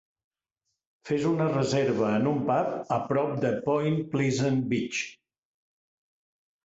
Fes una reserva en un pub a prop de Point Pleasant Beach